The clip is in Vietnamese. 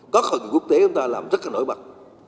có khẩu trực quốc tế chúng ta làm rất là nổi bật